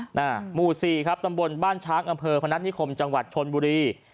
หมู่สี่ครับตำบลบ้านช้างอำเภอพนัฐนิคมจังหวัดชนบุรี